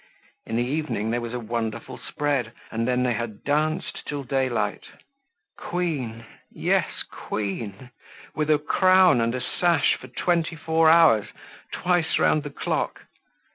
In the evening there was a wonderful spread, and then they had danced till daylight. Queen; yes Queen! With a crown and a sash for twenty four hours—twice round the clock!